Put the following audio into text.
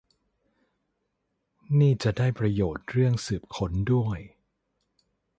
นี่จะได้ประโยชน์เรื่องสืบค้นด้วย